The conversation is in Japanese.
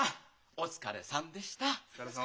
お疲れさまでした。